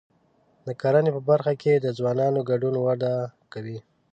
د کرنې په برخه کې د ځوانانو ګډون وده کوي.